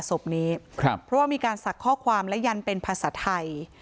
ศพนี้ครับเพราะว่ามีการสักข้อความและยันเป็นภาษาไทย